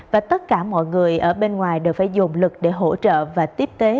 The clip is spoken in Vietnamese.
và tất cả mọi người ở bên ngoài đều phải dồn lực để hỗ trợ và tiếp tế